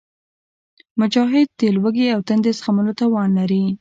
مجاهد د لوږې او تندې زغملو توان لري.